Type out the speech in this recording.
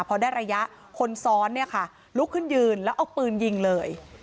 พอได้ระยะคนซ้อนเนี่ยค่ะลุกขึ้นยืนแล้วเอาปืนยิงเลย